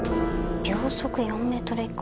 秒速４メートル以下。